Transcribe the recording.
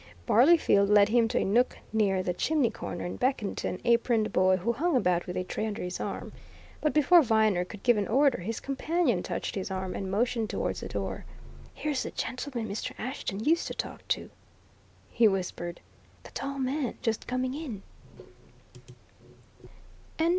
Barleyfield led him to a nook near the chimney corner and beckoned to an aproned boy who hung about with a tray under his arm. But before Viner could give an order, his companion touched his arm and motioned towards the door. "Here's the gentleman Mr. Ashton used to talk to!" he whispered. "The tall man just coming in."